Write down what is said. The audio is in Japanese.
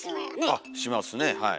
あっしますねはい。